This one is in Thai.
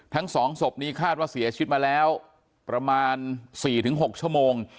ทั้ง๒ศพนี้คาดว่าเสียชีวิตมาแล้วประมาณ๔๖ชั่วโมง